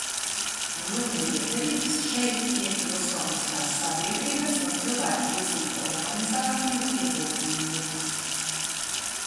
Ļoti lietderīgs šeit ir pilsoniskās sabiedrības un cilvēktiesību organizāciju ieguldījums.